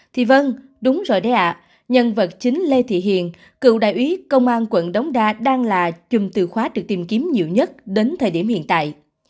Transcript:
thì vân đúng rồi đấy ạ nhân vật chính lê thị hiền cựu đại úy công an quận đống đa đang là chùm từ khóa được tìm kiếm nhiều nhất đến thời điểm hiện tại